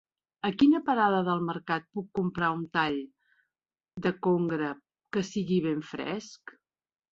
A quina parada del mercat puc comprar un tall de congre que sigui ben fresc?